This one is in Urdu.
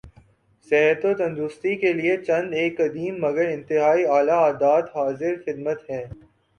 صحت و تندرستی کیلئے چند ایک قدیم مگر انتہائی اعلی عادات حاضر خدمت ہیں